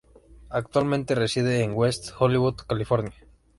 Actualmente reside en West Hollywood, California.